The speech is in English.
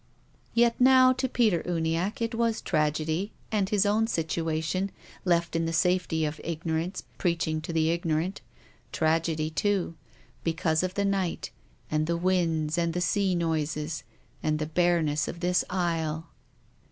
Yet now to Peter Uniacke it was tragedy, and his own situation, left in the safety of ignorance preaching to the ignorant, tragedy too, because of the night, and the winds and the sea noises, and the bareness of this Isle.